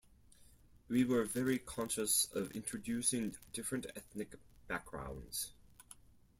We were very conscious of introducing different ethnic backgrounds.